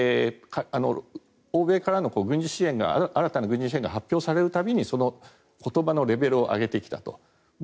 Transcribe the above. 欧米からの軍事支援が新たな軍事支援が発表される度にその言葉のレベルを上げてきたと。